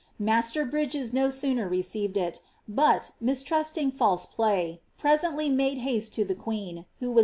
Master Bridges* no sooner received i| but, mistrusting false play, presently made haste to the queen, who •Tyiler'a Eilwva and Miry.